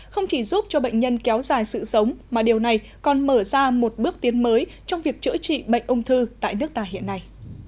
không chỉ giúp cho bệnh nhân kéo dài sự sống mà điều này còn mở ra một bước tiến mới trong việc chữa trị bệnh ung thư tại nước ta hiện nay